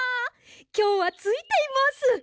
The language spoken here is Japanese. きょうはついています。